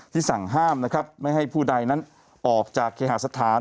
ที่สั่งห้ามไม่ให้ผู้ใดนั้นออกจากเกฮะสถาน